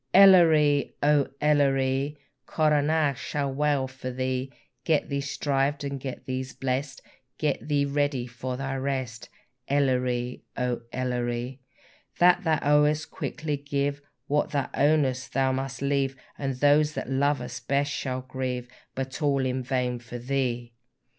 Elleree! O Elleree! Coronach shall wail for thee; Get thee shrived and get thee blest, Get thee ready for thy rest, Elleree! O Elleree! That thou owest quickly give, What thou ownest thou must leave, And those thou lovest best shall grieve, But all in vain for thee!